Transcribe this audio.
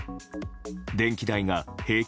電気代が平均